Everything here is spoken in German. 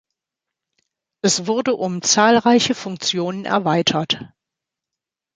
Es wurde um zahlreiche Funktionen erweitert.